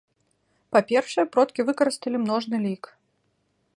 Па-першае, продкі выкарысталі множны лік.